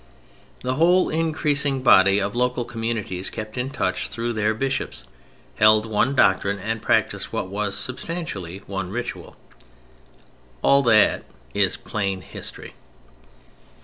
The whole increasing body of local communities kept in touch through their bishops, held one doctrine and practiced what was substantially one ritual. All that is plain history.